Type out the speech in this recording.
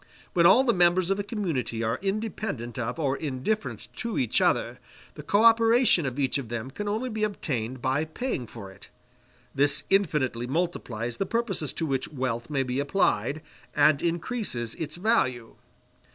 When all the members of a community are independent of or indifferent to each other, the co operation of each of them can only be obtained by paying for it: this infinitely multiplies the purposes to which wealth may be applied, and increases its value.